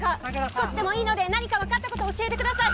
少しでもいいので何か分かったこと教えてください！